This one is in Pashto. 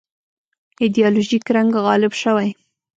ایدیالوژیک رنګ غالب شوی.